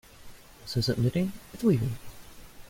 This isn't knitting, its weaving.